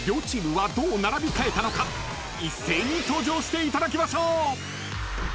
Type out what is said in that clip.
［一斉に登場していただきましょう］